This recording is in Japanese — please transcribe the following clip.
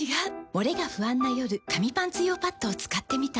モレが不安な夜紙パンツ用パッドを使ってみた。